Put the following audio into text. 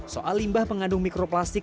soal limbah pengandung mikroplastik